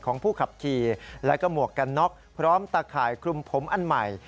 ของผู้ขับขี่และก็หมวกกันน็อกพร้อมตาข่ายคลุมผมอันใหม่